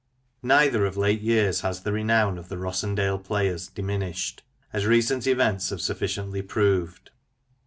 Neither of late years has the renown of the " Rossendale Players " diminished, as recent events have sufficiently proved.